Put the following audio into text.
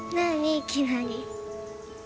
いきなり。